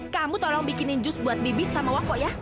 kamu tolong bikinin jus buat bibi sama wako ya